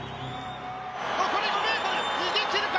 残り５ｍ、逃げ切るか？